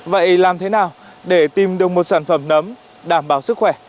vậy làm thế nào để tìm được một sản phẩm nấm đảm bảo sức khỏe